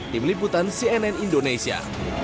tim liputan cnn indonesia